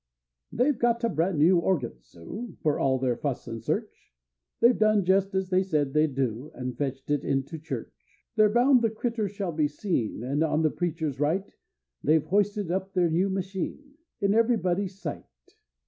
They 've got a brand new organ, Sue, For all their fuss and search; They've done just as they said they'd do, And fetched it into church. They're bound the critter shall be seen, And on the preacher's right They've hoisted up their new machine, In every body's sight.